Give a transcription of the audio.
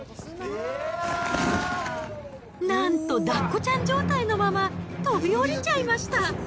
なんとダッコちゃん状態のまま、飛び降りちゃいました。